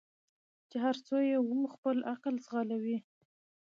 چي هر څو یې وو خپل عقل ځغلولی